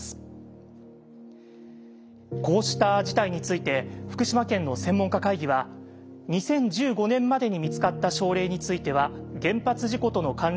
こうした事態について福島県の専門家会議は２０１５年までに見つかった症例については原発事故との関連は認められないと報告。